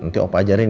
nanti opa ajarin ya